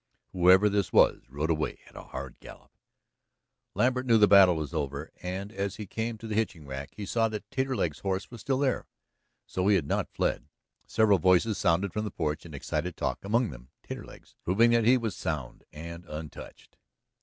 Whoever this was rode away at a hard gallop. Lambert knew that the battle was over, and as he came to the hitching rack he saw that Taterleg's horse was still there. So he had not fled. Several voices sounded from the porch in excited talk, among them Taterleg's, proving that he was sound and untouched.